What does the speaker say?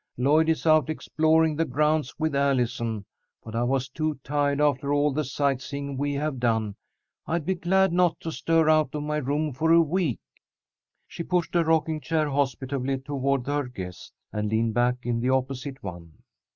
Lloyd is out exploring the grounds with Allison, but I was too tired after all the sightseeing we have done. I'd be glad not to stir out of my room for a week." She pushed a rocking chair hospitably toward her guest, and leaned back in the opposite one.